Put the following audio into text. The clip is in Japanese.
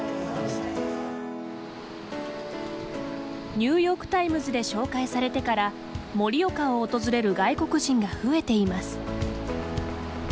ニューヨーク・タイムズで紹介されてから盛岡を訪れる外国人が増えています。